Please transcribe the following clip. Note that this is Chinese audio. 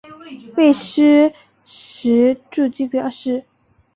未施实住居表示。